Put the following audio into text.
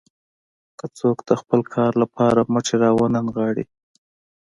که څوک د خپل کار لپاره مټې راونه نغاړي.